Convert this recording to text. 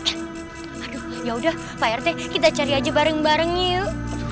aduh yaudah pak rt kita cari aja bareng bareng yuk